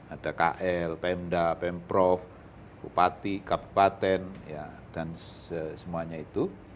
ada kl pemda pemprov bupati kabupaten dan semuanya itu